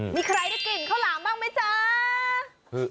มีใครได้กลิ่นข้าวหลามบ้างไหมจ๊ะ